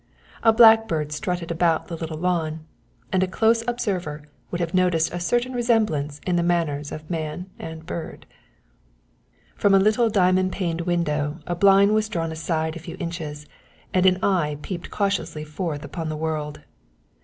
A blackbird strutted about the little lawn, and a close observer would have noticed a certain resemblance in the manners of man and bird. From a little diamond paned window a blind was drawn aside a few inches and an eye peeped cautiously forth upon the world.